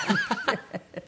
ハハハハ！